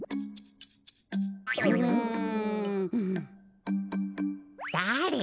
うん。だれ？